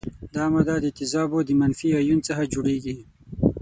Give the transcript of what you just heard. دا ماده د تیزابو د منفي ایون څخه جوړیږي.